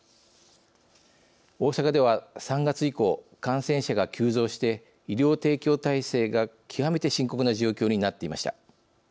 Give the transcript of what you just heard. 大阪では３月以降感染者が急増して医療提供体制が極めて深刻な状況になっていました。